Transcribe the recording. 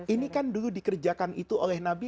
ini kan dulu dikerjakan itu oleh nabi